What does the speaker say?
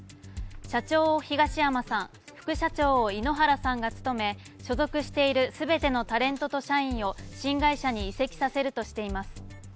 社長を東山さん、副社長を井ノ原さんが務め、所属している全てのタレントと社員を新会社に移籍させるとしています。